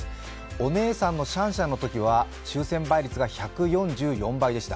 お姉さんのシャンシャンのときは抽選倍率が１４４倍でした。